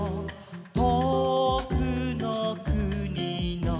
「とおくのくにの」